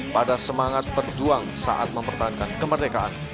pada semangat berjuang saat mempertahankan kemerdekaan